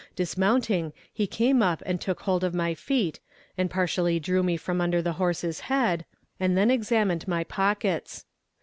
Dismounting, he came up and took hold of my feet, and partially drew me from under the horse's head, and then examined my pockets.